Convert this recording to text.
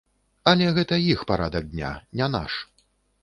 Але гэта іх парадак дня, не наш.